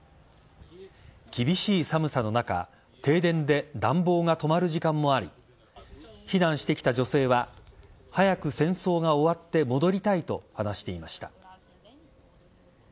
厳しい寒さの中停電で暖房が止まる時間もあり避難してきた女性は早く戦争が終わって戻りたいと話していました。